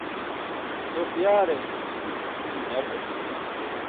Toq yare sisinum yaṭe